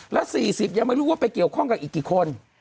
แล้ว๔๐ยังไม่รู้ว่าไปเกี่ยวข้องกับอีกกี่คน